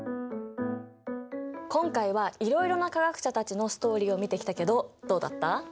今回はいろいろな化学者たちのストーリーを見てきたけどどうだった？